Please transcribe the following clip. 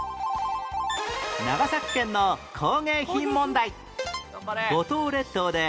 長崎県の工芸品問題